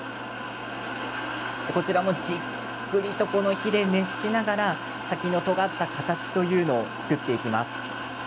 こちらもじっくりと火で熱しながら先のとがった形というのを作っていきます。